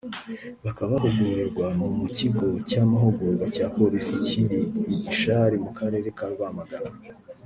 bakaba bahugurirwaga mu mu kigo cy’amahugurwa cya Polisi kiri i Gishari mu karere ka Rwamagana